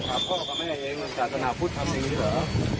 พ่อกับแม่เองมันศาสนาพุทธทำอย่างนี้เหรอ